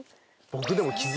僕でも。